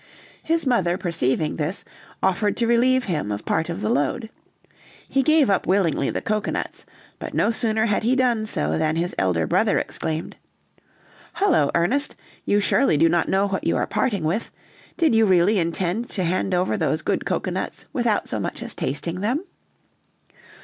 His mother perceiving this, offered to relieve him of part of the load. He gave up willingly the cocoanuts, but no sooner had he done so than his elder brother exclaimed: "Hullo, Ernest, you surely do not know what you are parting with; did you really intend to hand over those good cocoanuts without so much as tasting them?"